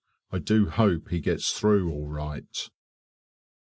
I do hope he gets through all right.